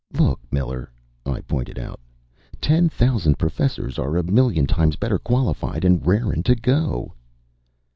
"Look, Miller," I pointed out. "Ten thousand professors are a million times better qualified, and rarin' to go."